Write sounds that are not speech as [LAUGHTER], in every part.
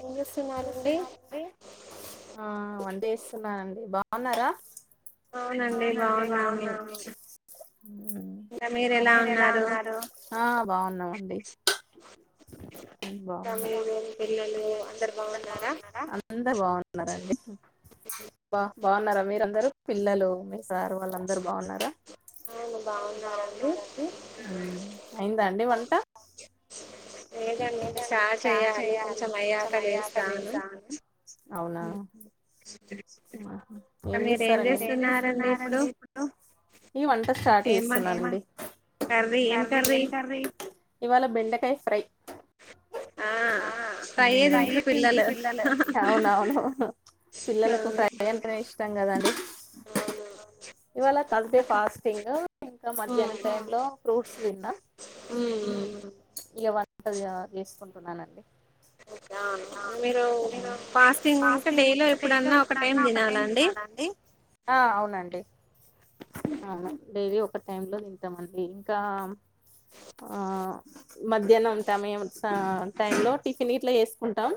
ఏం చేస్తున్నారండి ఆ వన్ చేస్తున్నానండి బాగున్నారా అవునండి బాగున్నాము మీరు ఎలా ఉన్నారు హ బాగున్నామండి. అందరు ఇంకా మీరు మీ పిల్లలు అందరు బాగున్నారా బాగున్నారా అందరూ బాగున్నారండి. బాగున్నారా మీరందరు పిల్లలు మీ సార్ వాళ్ళందరు బాగున్నారా బాగున్నారండి హ్మ్ అయిందా అండి వ ట లేదండి స్టార్ట్ చేయాలి కొంచం అయ్యాక లేసా అని ఇంకా మీరు ఏం మీరేం ఎమ్ చేస్తున్నారండి ఇప్పుడు ఏం ఎమ్ వ కర్రీ ఎమ్ కర్రీ ఇవాళ బెండకాయ్ ఫ్రై ఆ ఫ్రై యే ఫ్రైయే తింటారు తింట్ర్రు పిల్లలు అవును అవును ఆ, పిల్లలకు ఫ్రై అంటేనే ఇష్టం కదండి. అవును ఇవాళ తార్స్ డే ఫాస్టింగ్ ఇంకా ఉమ్, మధ్యాహ్నం టైం లో ఫ్రూట్స్ తిన్న ఉమ్, హ్మ్ ఇగ వం టల్ చెయ్యాలి చేసుకుంటున్నానండి అవును. మీరు నేను ఫాస్టింగ్ ఉంటే డైలో ఎప్పుడన్నా ఒక్క టైం తినాలాండి. అవును డైలీ ఒ ఒక్కటైంలో తింటా మండి ఇంకా ఆ మధ్యాహ్నం టమయంలొ [UNINTELLIGIBLE] ఆ టైంలో టిఫిన్ ఇట్లా చేసుకుంటాం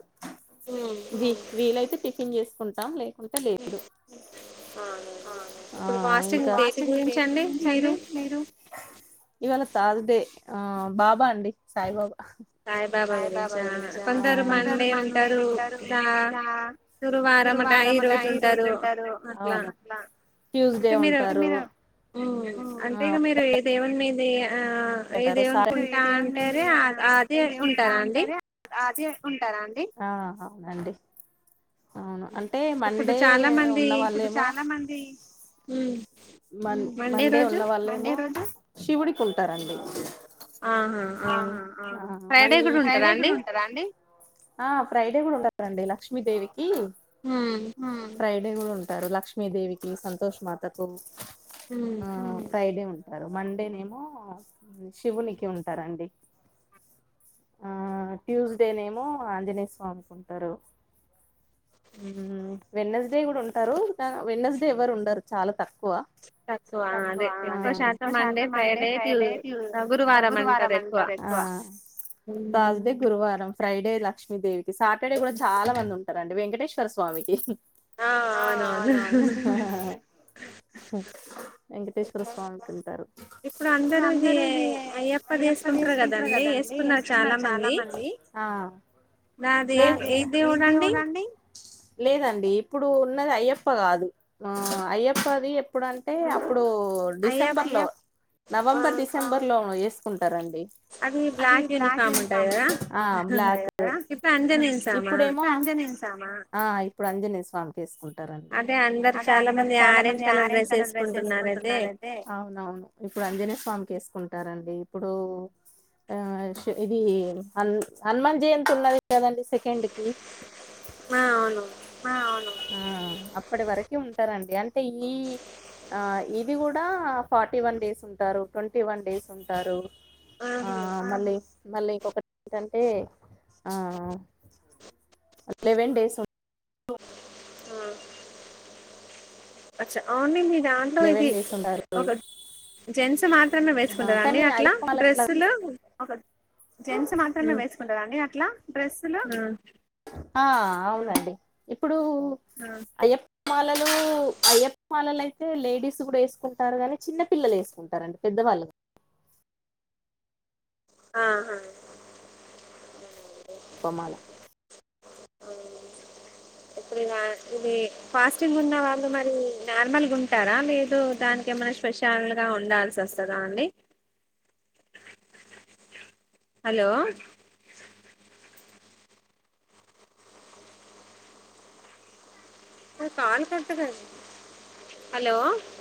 ఉమ్ వి వీలైతే టిఫిన్ చేస్ కుంటాం లే ఇప్పుడు అవునండి ఇప్పుడు ఫాస్టింగ్ దేటి పాస్టింగ్ దేని గురించి అండి మీరు? ఆ బాబా డి సాయిబాబా సాయిబాబా గురించా! కొందరు మండే ఉంటారు. ఇకా రా గురువారం మంట, ఈ రోజు ఉంటారు. అట్లా అవును ట్యూస్డే అంటే మీరు ఉంటారు ము అంటే ఆ ఇగ మీరు ఏ దేవుని మీదేయ్య ఆ అంటారు సార్ ఏదేవునీకుంటా ఇదేముంది ఇది అంటేనే ఆ ఆ దేవ్ ఇది ఉంటా ఉంటారాండి అంటారే ఆ అవునండి ఇప్పుడు ఇప్పుడు చాలా మంది చాలా మంది మ్మ్ మండే రోజు శివుడికి ఉంటారండి ఆహా ఆ ఆహా ఆ ఫ్రైడే మళ్ళీ కూడా ఉంటారా ఫ్రైడే అండి గుడా ఉంటారాండి. ఆ ఫ్రైడే కూడా ఉంటా రండి లక్ష్మీదేవి హు మ్మ్ టారు లక్ష్మీదేవికి, సంతోష్ మాతకు మ్మ్ ఆ ఫ్రైడే ఉం టారు మండేనేమో శివునికి ఉంటారండి, ఆ ట్యూస్డేనేమో ఆంజనేయ స్వామికి ఉంటారు, ఉ వెడ్నెస్డే గుడ ఉంటారు. వెడ్నెస్డే ఎవ్వరు ఉండరు చాలా తక్ తక్కువ ఆ అదే ఎక్కువ శాతం మండే, ఫ్రైడే, ట్యూ ట్యూ గురువారం అంటారు ఎక్కువ ఫ్రైడే లక్ష్మీదేవికి, సాటర్డే గుడా చాలా మంది ఉంటారండి. వెంకటేశ్వర స్వామికి, ఆ అవునవును ఇప్పుడు అందరూ ఇది అందరు [UNINTELLIGIBLE] అయ్యప్పది వేసుకుంటారు కదండి. వేసుకున్నారు చాలామంది నాది ఏ దేవుడండి? లేదండి ఇప్పుడు ఉన్నది అయ్యప్ప గాదు ఆ అయ్యప్పది ఎప్పుడుంటే ఇప్పుడు అయ్యప్ప డిసెంబర్లో, ఆ, నవంబర్, డిస్ బర్లో వేసుకుం అది బ్లాక్ యూనిఫామ్ ఉంటది యూనిఫాం కదా ఆదే కదా ఇప్పుడు అంజనేయుని సామా ఇప్పుడెమో ఆంజనేయ స్వామ చేసుకుం టా రండి అదే అందరు చాలా అందరు చాలా మంది ఆరెంజ్ కలర్ డ్రెస్ వేసుకుంటున్నారు అయితే వేసుకుంటున్నరయితే అవునవును ఇప్పుడు అంజనే స్వామికి రండి ఇప్పుడు ఆ ఇది హనుమాన్ జయంతి ఉన్నది కదండీ సెకండ్ కి ఆ అవును ఆ అవును ఇప్పటి వరక ఉంటారండి అంటే ఈ ఇది కూడా ఫార్టీ వన్ డేస్ ఉంటారు ట్వంట ఫిఫ్టీ వన్ డేస్ ఉంటారు ఆ ఆహా మళ్ళీ మళ్ళీ ఇంకొకటి ఏంటంటే లెవెన్ డేస్ ఉ అచ్చ ఆవునండి లెవెన్ డేస్ ఉంటారు జెంట్స్ మాత్రమే వేసుకుంటారా అండి కానీ అట్లా అయ్యప్ప మాల ఇట్ల డ్రెస్సులు జెంట్స్ మాత్రమే ఉమ్, వేసుకుంటారు అండి ట్లా డ్రెస్లో ఉమ్. ఆ అవునండి ఇప్పుడు అయ్యప్ప మాలలు అయ్యప్పమాలలు అయి అయితే లేడీస్ కూడా వేసుకుంటారు గాని చిన్న పిల్లలు వేసుకుంటారండి పెద్దవాళ్ళు ఆహా ప్పమాల ఇప్పుడు ఇ ఇది ఫాస్టింగ్ ఉన్న వాళ్ళు మరి నార్మల్గా ఉంటారా లేదు దానికి ఏమైనా స్పెషల్గా ఉండాల్సి వస్తుందా అండి హలో హలో [UNINTELLIGIBLE]